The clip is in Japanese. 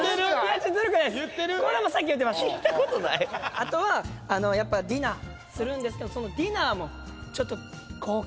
あとはやっぱディナーするんですけどそのディナーもちょっと豪華に。